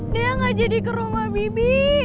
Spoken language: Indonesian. dia gak jadi ke rumah bibi